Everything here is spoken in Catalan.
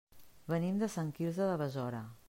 Venim de Sant Quirze de Besora.